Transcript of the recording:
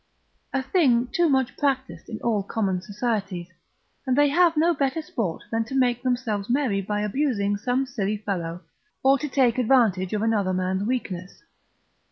A thing too much practised in all common societies, and they have no better sport than to make themselves merry by abusing some silly fellow, or to take advantage of another man's weakness.